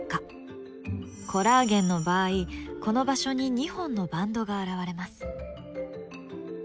コラーゲンの場合この場所に２本のバンドが現れます。